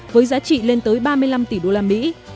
với giá trị lên tới ba mươi năm tỷ usd